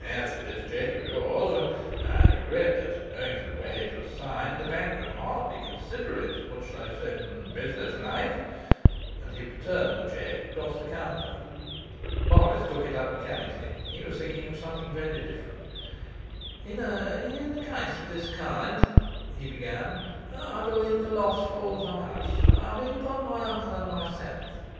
As for this cheque of yours, I regret that, owing to the way it was signed, the bank can hardly consider it what shall I say? businesslike,' and he returned the cheque across the counter. Morris took it up mechanically; he was thinking of something very different. 'In a case of this kind,' he began, 'I believe the loss falls on us; I mean upon my uncle and myself.